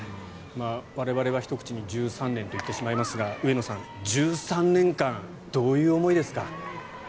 我々は、ひと口に１３年と言ってしまいますが上野さん、１３年間どういう思いですか？